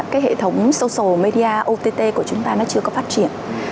cái hệ thống social media ott của chúng ta nó chưa có phát triển